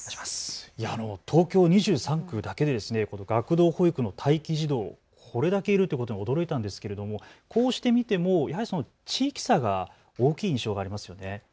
東京２３区だけでこの学童保育の待機児童、これだけいるということに驚いたんですけれどもこうして見ても地域差が大きい印象がありますよね。